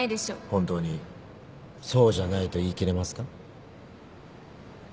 本当にそうじゃないと言いきれますか？